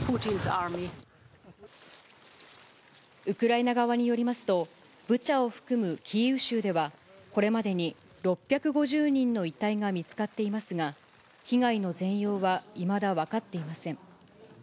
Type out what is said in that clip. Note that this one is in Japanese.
ウクライナ側によりますと、ブチャを含むキーウ州では、これまでに６５０人の遺体が見つかっていますが、被害の全容はいまだ分かっていません。